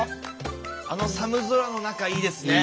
あの寒空の中いいですね。